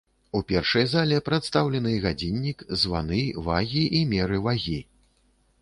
У першай зале прадстаўлены гадзіннік, званы, вагі і меры вагі.